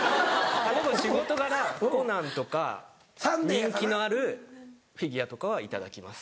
でも仕事柄『コナン』とか人気のあるフィギュアとかは頂きます。